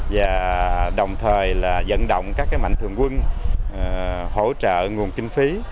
và đồng thời là dẫn động các mạnh thường quân hỗ trợ nguồn kinh phí